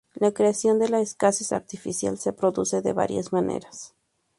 La creación de la escasez artificial se produce de varias maneras.